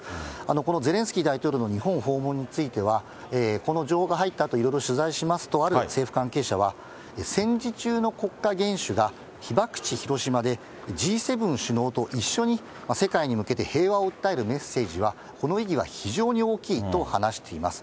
このゼレンスキー大統領の日本訪問については、この情報が入ったあと、取材しますと、ある政府関係者は、戦時中の国家元首が被爆地、広島で、Ｇ７首脳と一緒に世界に向けて平和を訴えるメッセージは、この意義は非常に大きいと話しています。